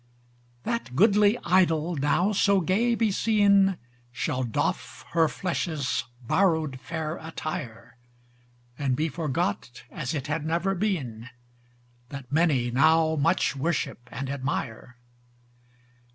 That goodly idol now so gay beseen, Shall doff her flesh's borrowed fair attire: And be forgot as it had never been, That many now much worship and admire.